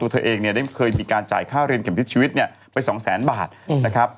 เธอเองเนี่ยได้เคยมีการจ่ายค่าเรียนเข็มทิศชีวิตเนี่ยไป๒แสนบาทนะครับ